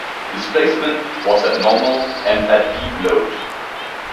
Displacement was at normal and at deep load.